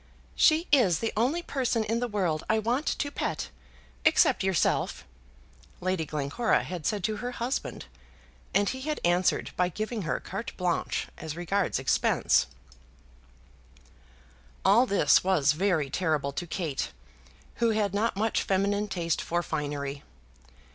"She is the only person in the world I want to pet, except yourself," Lady Glencora had said to her husband, and he had answered by giving her carte blanche as regards expense. [Illustration: Alice and her bridesmaids.] All this was very terrible to Kate, who had not much feminine taste for finery.